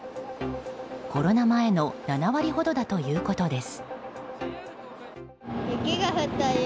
コロナ前の７割ほどだということです。